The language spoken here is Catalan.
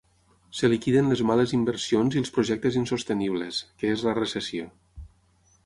Es liquiden les males inversions i els projectes insostenibles, que és la recessió.